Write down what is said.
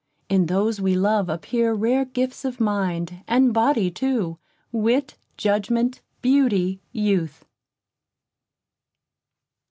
In those we love appear rare gifts of mind, And body too: wit, judgment, beauty, youth.